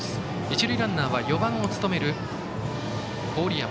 一塁ランナーは４番を務める郡山。